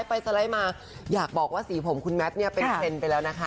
ไปมาอยากบอกว่าสีผมคุณแม็ทเนี่ยเป็นเซ็นเป็นแล้วนะคะ